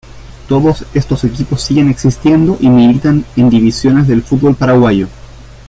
Todos estos equipos siguen existiendo y militan en divisiones del fútbol paraguayo.